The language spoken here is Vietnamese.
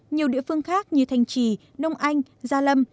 nhiều địa phương khác như thành trì nông anh gia lâm